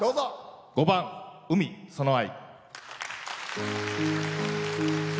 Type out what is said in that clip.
５番「海その愛」。